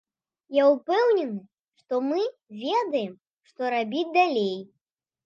Я ўпэўнены, што мы ведаем, што рабіць далей.